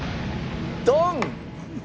ドン！